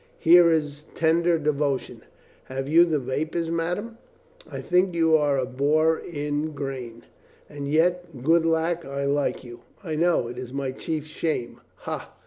Here is tender de votion ! Have you the vapors^ madame?" "I think you are a boor in grain. And yet, good lack, I like you." "I know. It is my chief shame. Ha!"